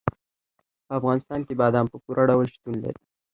په افغانستان کې بادام په پوره ډول شتون لري.